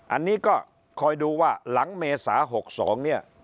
อันนี้ก็คอยดูว่าหลังเมษา๖๒เนี่ย